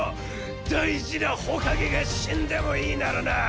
大事な火影が死んでもいいならな！